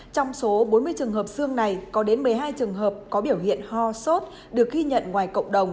trong số bốn mươi trường hợp xương này có đến một mươi hai trường hợp có biểu hiện ho sốt được ghi nhận ngoài cộng đồng